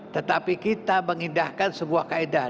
tetapi kita mengindahkan sebuah kaedah